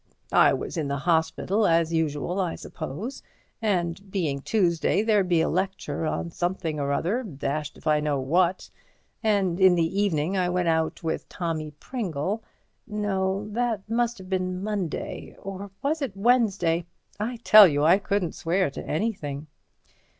I was in at the Hospital as usual, I suppose, and, being Tuesday, there'd be a lecture on something or the other—dashed if I know what—and in the evening I went out with Tommy Pringle—no, that must have been Monday—or was it Wednesday? I tell you, I couldn't swear to anything."